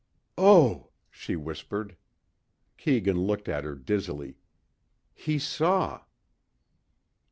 "Oh," she whispered. Keegan looked at her dizzily. "He saw...."